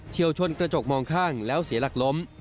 วชนกระจกมองข้างแล้วเสียหลักล้ม